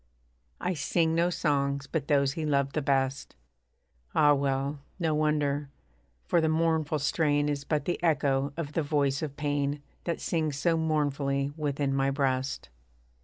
I sing no songs but those he loved the best. (Ah! well, no wonder: for the mournful strain Is but the echo of the voice of pain, That sings so mournfully within my breast.)